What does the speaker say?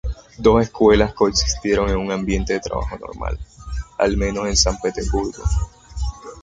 Dos escuelas coexistieron en un ambiente de trabajo normal, al menos en San Petersburgo.